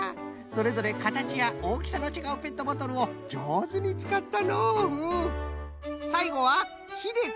それぞれかたちやおおきさのちがうペットボトルをじょうずにつかったのううん。